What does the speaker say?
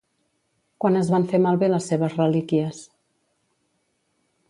Quan es van fer malbé les seves relíquies?